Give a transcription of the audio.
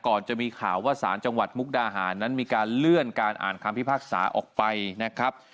จะมีข่าวว่าสารจังหวัดมุกดาหารนั้นมีการเลื่อนการอ่านคำพิพากษาออกไปนะครับ